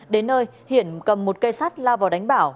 đến nơi hiển cầm một cây sắt lao vào đánh bảo